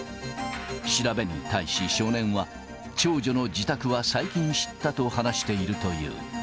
調べに対し少年は、長女の自宅は最近知ったと話しているという。